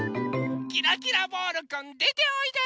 キラキラボールくんでておいで！